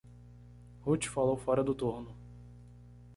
Ruth falou fora do turno.